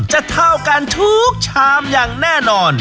เท่ากันทุกชามอย่างแน่นอน